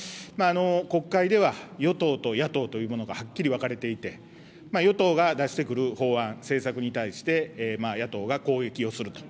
国会では与党と野党というものがはっきり分かれていて、与党が出してくる法案、政策に対して、野党が攻撃をすると。